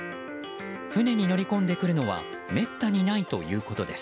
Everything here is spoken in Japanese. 船に乗り込んでくるのはめったにないということです。